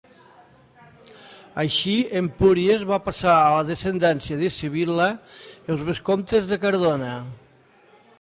Així, Empúries va passar a la descendència de Sibil·la, els vescomtes de Cardona.